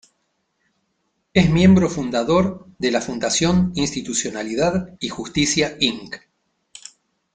Es miembro fundador de la Fundación Institucionalidad y Justicia, Inc.